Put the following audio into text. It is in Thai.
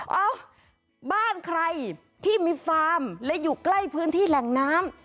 เอ้าบ้านใครที่มีฟาร์มและอยู่ใกล้พื้นที่แหล่งน้ำ